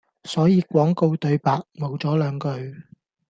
所以廣告對白無咗兩句